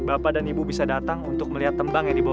apok terah gimana sekarang ello semuanya ragu ragu